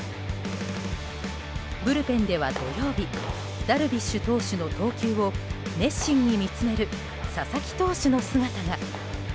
ブルペンでは土曜日ダルビッシュ投手の投球を熱心に見つめる佐々木投手の姿が。